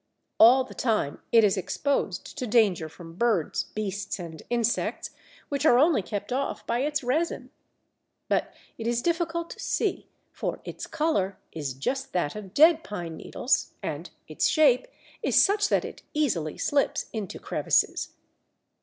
All the time it is exposed to danger from birds, beasts, and insects, which are only kept off by its resin. But it is difficult to see, for its colour is just that of dead pine needles and its shape is such that it easily slips into crevices.